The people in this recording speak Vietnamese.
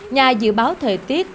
nhà dự báo thời tiết